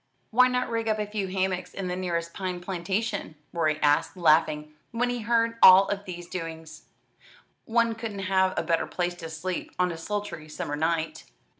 "Why not rig up a few hammocks in the nearest pine plantation?" Rorie asked, laughing, when he heard of all these doings. "One couldn't have a better place to sleep on a sultry summer night."